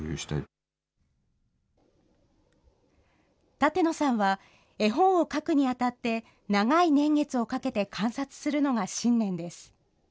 舘野さんは絵本を描くにあたって、長い年月をかけて観察するのが信念です。